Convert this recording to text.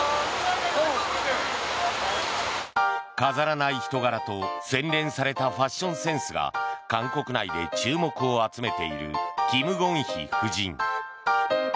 飾らない人柄と洗練されたファッションセンスが韓国内で注目を集めているキム・ゴンヒ夫人。